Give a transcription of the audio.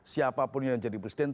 siapapun yang jadi presiden